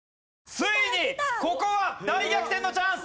ついにここは大逆転のチャンス！